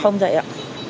không dạy ạ